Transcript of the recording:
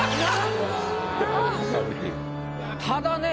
ただね